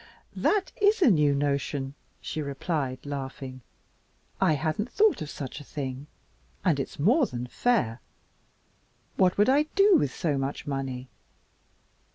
"That IS a new notion," she replied, laughing. "I hadn't thought of such a thing and it's more than fair. What would I do with so much money?"